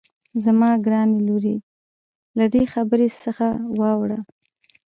زما ګرانې لورې له دې خبرې څخه واوړه.